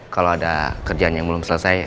kalau ada kerjaan yang belum selesai